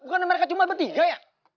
bukan mereka cuma bertiga ya